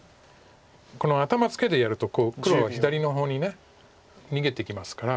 この頭ツケでやると黒は左の方に逃げていきますから。